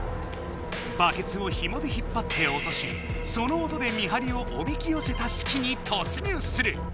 バケツをひもで引っぱっておとしその音で見張りをおびきよせたすきに突入する！